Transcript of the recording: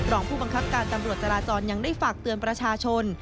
รองผู้บังคับการตำรวจจราจรยังได้ฝากเตือนประชาชน